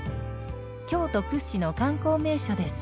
京都屈指の観光名所です。